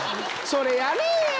それやれや！